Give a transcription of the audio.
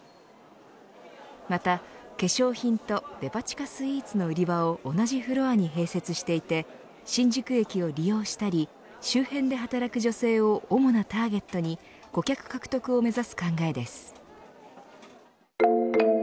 また化粧品とデパ地下スイーツの売り場を同じフロアに併設していて新宿駅を利用したり周辺で働く女性を主なターゲットに、顧客獲得を目指す考えです。